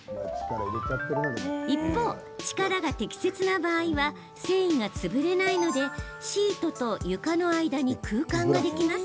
一方、力が適切な場合は繊維が潰れないのでシートと床の間に空間ができます。